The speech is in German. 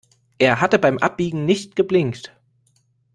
Er hatte beim Abbiegen nicht geblinkt.